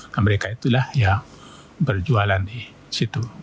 nah mereka itulah yang berjualan di situ